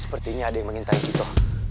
sepertinya ada yang mengintai kita